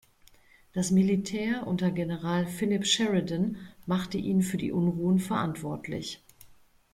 Das Militär unter General Philip Sheridan machte ihn für die Unruhen verantwortlich.